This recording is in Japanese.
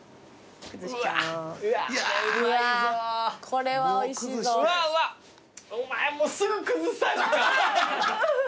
これはおいしいぞ。